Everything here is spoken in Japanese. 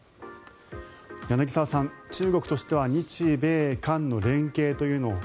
柳澤さん、中国としては日米韓の連携というのを